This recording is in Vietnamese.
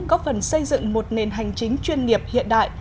góp phần xây dựng một nền hành chính chuyên nghiệp hiện đại